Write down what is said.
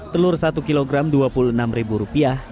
telur satu kg rp dua puluh enam